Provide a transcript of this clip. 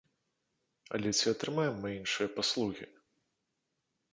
Але ці атрымаем мы іншыя паслугі?